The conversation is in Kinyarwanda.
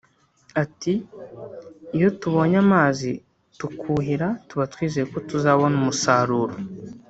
ati “Iyo tubonye amazi tukuhira tuba twizeye ko tuzabona umusaruro